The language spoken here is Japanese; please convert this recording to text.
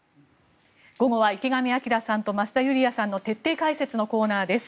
午後は池上彰さんと増田ユリヤさんの徹底解説のコーナーです。